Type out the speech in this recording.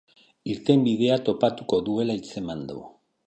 Irtenbidea topatuko duela hitzeman du.